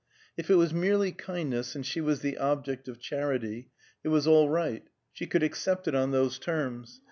If it was merely kindness, and she was the object of charity, it was all right; she could accept it on those terms.